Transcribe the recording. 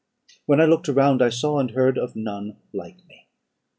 When I looked around, I saw and heard of none like me.